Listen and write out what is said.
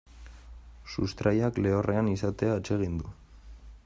Sustraiak lehorrean izatea atsegin du.